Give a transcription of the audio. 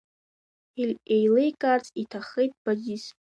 Еиликаарц иҭаххеит Бадис.